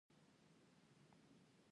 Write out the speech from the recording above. د سنبل الطیب ریښه د څه لپاره وکاروم؟